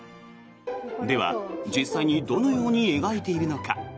では、実際にどのように描いているのか。